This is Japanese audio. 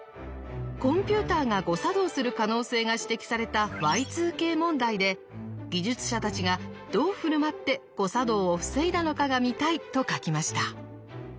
コンピューターが誤作動する可能性が指摘されたＹ２Ｋ問題で技術者たちがどう振る舞って誤作動を防いだのかが見たいと書きました。